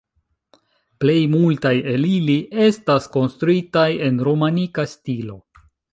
Plej multaj el ili estas konstruitaj en romanika stilo.